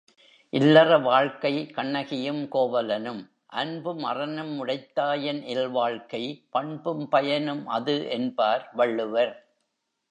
இல்லற வாழ்க்கை கண்ணகியும் கோவலனும் அன்பும் அறனும் உடைத்தாயின் இல்வாழ்க்கை பண்பும் பயனும் அது என்பார் வள்ளுவர்.